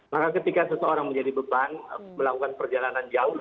maka ketika seseorang menjadi beban melakukan perjalanan jauh